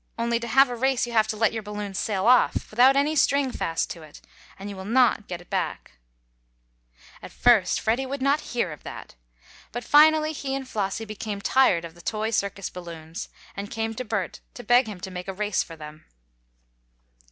"Only to have a race you have to let your balloon sail off, without any string fast to it, and you will not get it back again." At first Freddie would not hear of that, but finally he and Flossie became tired of the toy circus balloons, and came to Bert to beg him to make a race for them.